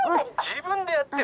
☎自分でやってよ。